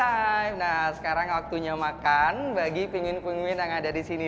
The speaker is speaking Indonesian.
it's feeding time nah sekarang waktunya makan bagi pinguin pinguin yang ada di sini